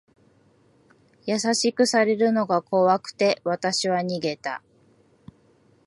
優しくされるのが怖くて、わたしは逃げた。